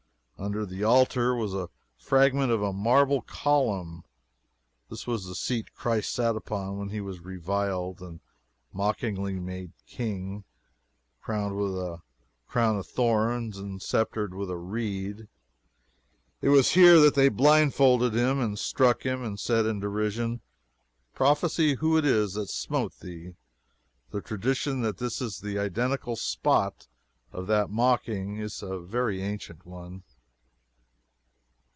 Under the altar was a fragment of a marble column; this was the seat Christ sat on when he was reviled, and mockingly made King, crowned with a crown of thorns and sceptred with a reed. It was here that they blindfolded him and struck him, and said in derision, "Prophesy who it is that smote thee." The tradition that this is the identical spot of the mocking is a very ancient one.